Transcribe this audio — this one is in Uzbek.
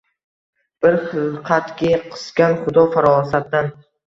Bir xilqatki, qisgan Xudo farosatdan.